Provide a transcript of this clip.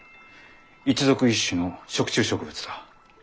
一属一種の食虫植物だ。